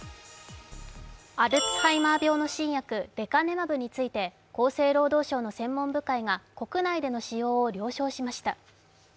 アルツハイマー病の新薬レカネマブについて厚生労働省の専門部会が国内での使用を了承しました。